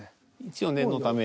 一応念のため。